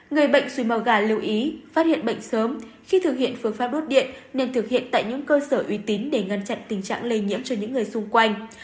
người bệnh suy mò gà lưu ý phát hiện bệnh sớm khi thực hiện phương pháp đốt điện nên thực hiện tại những cơ sở uy tín để ngăn chặn tình trạng lây nhiễm cho những người xung quanh